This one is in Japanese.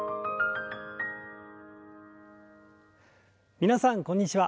皆さんこんにちは。